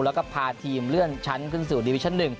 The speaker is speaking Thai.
แล้วก็พาทีมเลื่อนชั้นขึ้นสู่ดิวิชั่น๑